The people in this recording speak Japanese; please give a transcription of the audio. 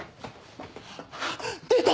出た！